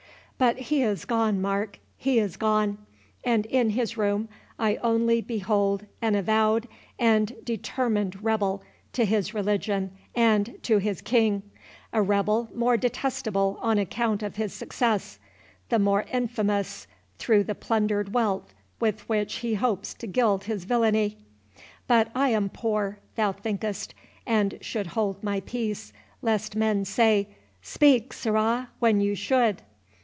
—But he is gone, Mark—he is gone; and in his room I only behold an avowed and determined rebel to his religion and to his king—a rebel more detestable on account of his success, the more infamous through the plundered wealth with which he hopes to gild his villany.—But I am poor, thou think'st, and should hold my peace, lest men say, 'Speak, sirrah, when you should.